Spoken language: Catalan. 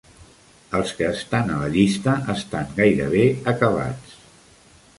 Els que estan a la llista estan gaire bé acabats.